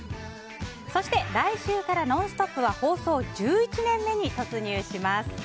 そして来週から「ノンストップ！」は放送１１年目に突入します。